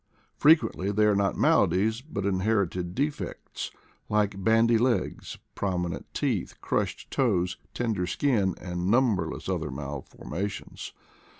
Frequently they are not maladies, but inherited defects, like bandy legs, prominent teeth, crushed toes, tender skin, and numberless other malforma tions.